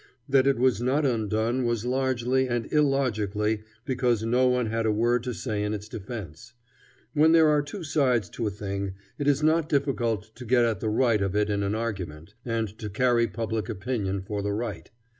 That it was not undone was largely, and illogically, because no one had a word to say in its defence. When there are two sides to a thing, it is not difficult to get at the right of it in an argument, and to carry public opinion for the right.